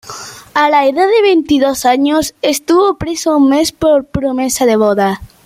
A la edad de veintidós años, estuvo preso un mes por promesa de boda.